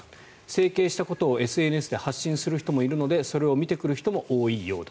整形したことをＳＮＳで発信する人もいるのでそれを見てくる人も多いようだ